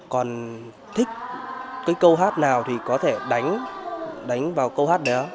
còn thích cái câu hát nào thì có thể đánh vào câu hát đấy á